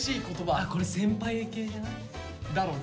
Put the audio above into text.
これ先輩系じゃない？